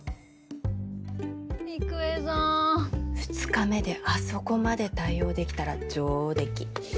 ２日目であそこまで対応できたら上出来。